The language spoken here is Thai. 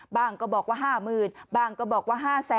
บางก็บอกว่า๕๐๐๐๐บางก็บอกว่า๕๐๐๐๐๐